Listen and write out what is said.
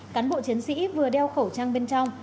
cán bộ chiến sĩ vừa đeo khẩu trang bên trong